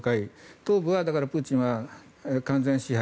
東部はプーチンは完全支配。